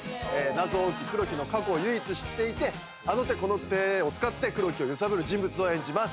謎多き黒木の過去を唯一知っていてあのてこのてを使って黒木を揺さぶる人物を演じます。